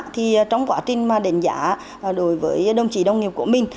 thì trong quá trình mà đánh giá đối với đồng chí đồng nghiệp của mình